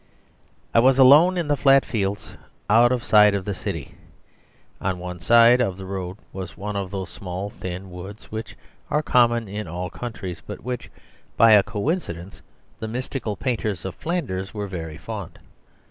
I was alone in the flat fields out of sight of the city. On one side of the road was one of those small, thin woods which are common in all countries, but of which, by a coincidence, the mystical painters of Flanders were very fond.